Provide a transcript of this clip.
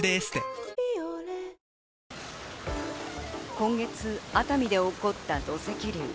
今月、熱海で起こった土石流。